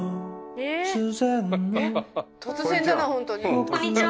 えっ？こんにちは。